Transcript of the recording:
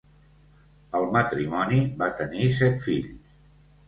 El matrimoni va tenir set fills.